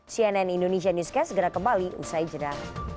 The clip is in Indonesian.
cnn indonesia newscast segera kembali usai jeda